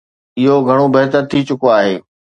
اهو گهڻو بهتر ٿي چڪو آهي.